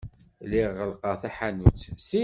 Lliɣ ɣellqeɣ taḥanut.